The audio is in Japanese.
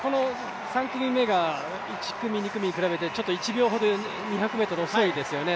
３組目が１組、２組に比べて１ｋｍほど２００ｍ遅いですよね。